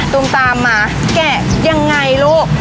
ตูมตามมาแกะยังไงลูก